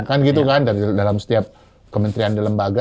kan gitu kan dari dalam setiap kementerian di lembaga